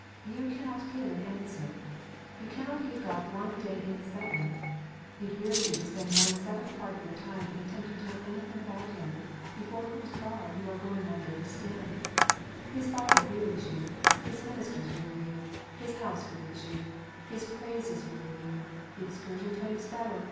You cannot give God one single day in seven ! It wearies you to spend one seventh part of your time in attempting to know anything about Him, before whose bar you are going one day to stand ! His Bible wearies you ! His ministers weary you ! His house wearies you ! His praises weary you ! The excursion train is better